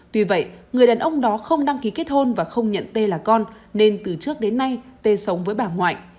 tuy vậy người đàn ông đó không đăng ký kết hôn và không nhận tên là con nên từ trước đến nay tê sống với bà ngoại